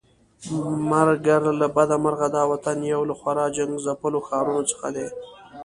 مګر له بده مرغه دا وطن یو له خورا جنګ ځپلو ښارونو څخه دی.